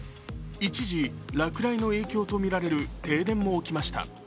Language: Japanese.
一時落雷の影響とみられる停電も起きました。